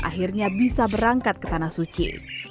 akhirnya bisa berangkat ke tanah suci